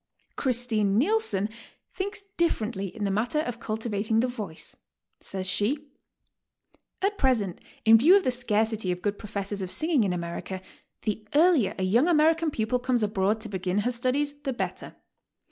Christine Nilsson thinks differently in the matter of cul tivating the voice. Says she; "At present, in view of the scarcity of good professors of singing in America, the earlier a young A_merican pupil comes abroad to begin her studies, the better.